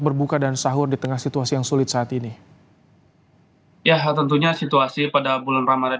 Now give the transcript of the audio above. berbuka dan sahur di tengah situasi yang sulit saat ini ya tentunya situasi pada bulan ramadhan